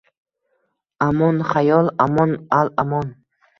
Amon, xayol! Amon, al-amon!..